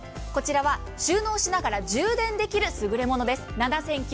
こちらは収納しながら充電できるすぐれものです。